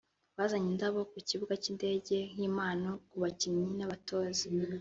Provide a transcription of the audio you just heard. bazanye indabo ku kibuga cy’indege nk’impano ku bakinnyi n’abatoza